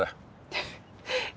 フフッ。